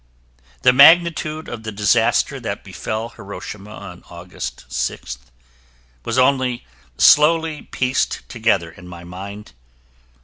The magnitude of the disaster that befell Hiroshima on August 6th was only slowly pieced together in my mind.